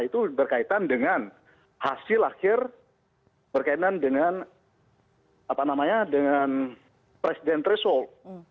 itu berkaitan dengan hasil akhir berkaitan dengan apa namanya dengan presiden resul